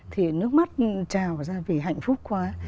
thì nước mắt trào ra vì hạnh phúc quá